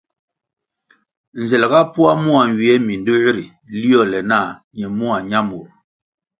Nzel ga poa mua nywie mindoē ri liole nah ñe mua ñamur.